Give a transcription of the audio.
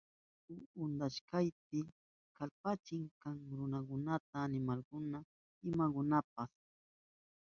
Yaku untayka kallpachik kan, runakunata, animalkunata, imakunatapas apan.